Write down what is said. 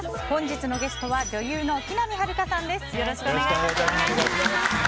本日のゲストは女優の木南晴夏さんです。